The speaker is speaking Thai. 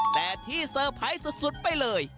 แต่ที่เซอร์ไพรส์สุดไปเลย